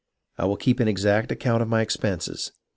I will keep an exact account of my expenses.